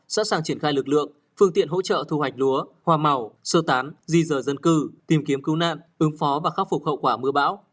sẵn sàng triển khai lực lượng phương tiện hỗ trợ thu hoạch lúa hoa màu sơ tán di rời dân cư tìm kiếm cứu nạn ứng phó và khắc phục hậu quả mưa bão